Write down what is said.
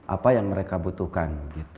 apa yang mereka butuhkan